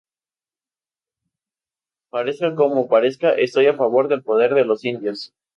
Parezca como parezca, estoy a favor del poder de los indios